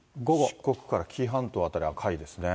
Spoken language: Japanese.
四国から紀伊半島辺り、赤いですね。